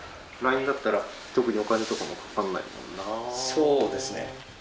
そうですね。